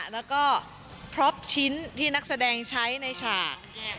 แล้วก็พล็อปชิ้นที่นักแสดงใช้ในฉาก